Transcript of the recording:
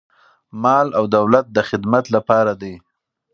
مال او دولت د خدمت لپاره دی.